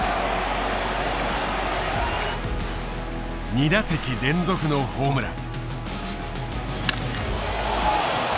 ２打席連続のホームラン。